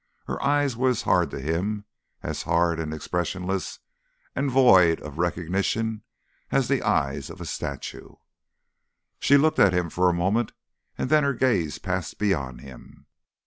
Her eyes were as hard to him, as hard and expressionless and void of recognition, as the eyes of a statue. She looked at him for a moment, and then her gaze passed beyond him.